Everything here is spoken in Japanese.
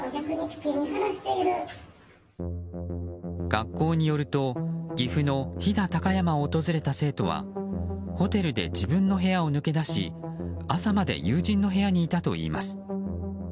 学校によると岐阜の飛騨高山を訪れた生徒はホテルで自分の部屋を抜け出し朝まで友人の部屋にいたといいます。